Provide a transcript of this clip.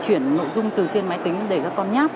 chuyển nội dung từ trên máy tính để các con nháp